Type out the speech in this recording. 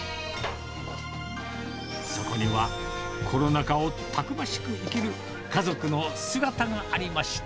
そこには、コロナ禍をたくましく生きる家族の姿がありました。